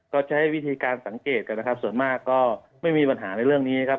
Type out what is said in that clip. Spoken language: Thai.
ก็ใช้วิธีการสังเกตกันนะครับส่วนมากก็ไม่มีปัญหาในเรื่องนี้ครับ